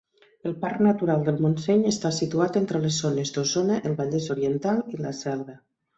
El Parc Natural del Montseny està situat entre les zones d'Osona, el Vallès Oriental i la Selva.